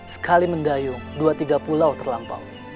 sekali mendayung dua tiga pulau terlampau